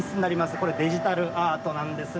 これ、デジタルアートなんですね。